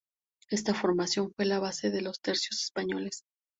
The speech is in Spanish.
Está formación fue la base de los tercios españoles.